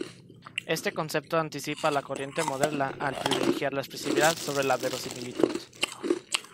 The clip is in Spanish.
Este concepto anticipa la corriente moderna al privilegiar la expresividad sobre la verosimilitud.